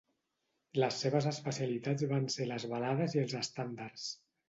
Les seves especialitats van ser les balades i els estàndards.